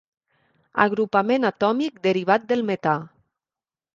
Agrupament atòmic derivat del metà.